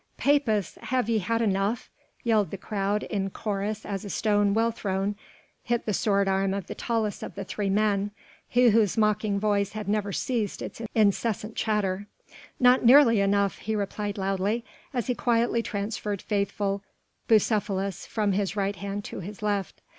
"Papists, have ye had enough?" yelled the crowd in chorus as a stone well thrown hit the sword arm of the tallest of the three men he whose mocking voice had never ceased its incessant chatter. "Not nearly enough," he replied loudly, as he quietly transferred faithful Bucephalus from his right hand to his left.